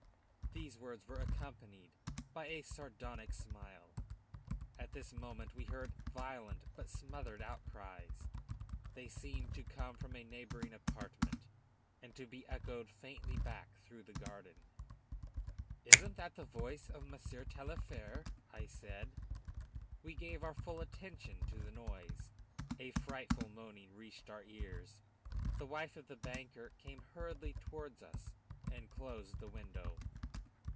These words were accompanied by a sardonic smile. At this moment we heard violent, but smothered outcries; they seemed to come from a neighboring apartment and to be echoed faintly back through the garden. "Isn't that the voice of Monsieur Taillefer?" I said. We gave our full attention to the noise; a frightful moaning reached our ears. The wife of the banker came hurriedly towards us and closed the window.